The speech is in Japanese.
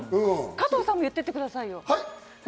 加藤さんも言っててくださいよ。